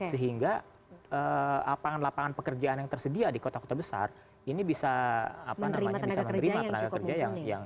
sehingga lapangan pekerjaan yang tersedia di kota kota besar ini bisa apa namanya bisa menerima tenaga kerja yang cukup mumpung